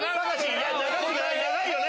長いよね？